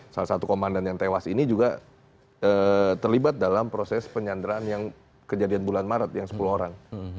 salah satu komandan yang tewas ini juga terlibat dalam proses penyanderaan yang kejadian bulan maret yang sepuluh orang